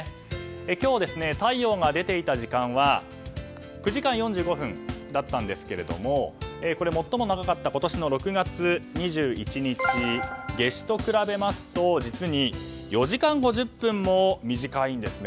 今日、太陽が出ていた時間は９時間４５分だったんですけどもこれは最も長かった今年６月２１日の夏至と比べますと実に４時間５０分も短いんですね。